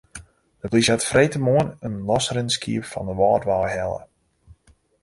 De plysje hat freedtemoarn in losrinnend skiep fan de Wâldwei helle.